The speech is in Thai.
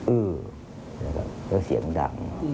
อื้อแล้วเสียงดัง